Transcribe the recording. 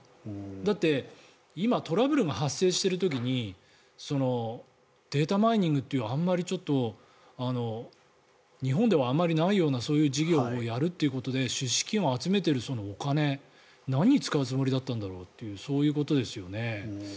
だって、今トラブルが発生している時にデータマイニングというあまりちょっと日本ではあまりないようなそういう事業をやるということで出資金を集めているそのお金何に使うつもりだったんだろうとそういうことですよね。